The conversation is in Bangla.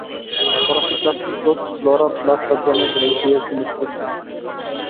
ফরাসি ক্লাবটির কোচ লরাঁ ব্লাঁ সাফ জানিয়ে দিলেন, পিএসজি মেসিকে চায় না।